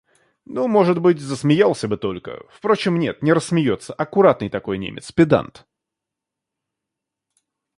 Ну, может быть, засмеялся бы только... Впрочем, нет, не рассмеется, — аккуратный такой немец, педант.